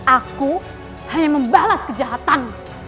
aku hanya membalas kejahatanmu